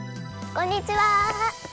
こんにちは。